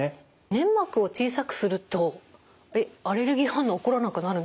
粘膜を小さくするとアレルギー反応起こらなくなるんですか？